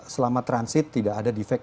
selama transit tidak ada defect